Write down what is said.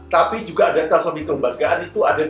tapi juga ada transformasi kelembagaan itu ada tiga area